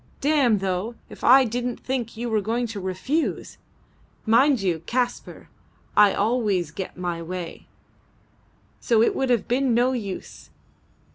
"Damme, though, if I didn't think you were going to refuse. Mind you, Kaspar, I always get my way, so it would have been no use.